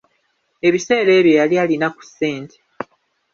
Ebiseera ebyo yali alina ku ssente.